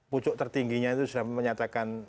pucuk tertingginya itu sudah menyatakan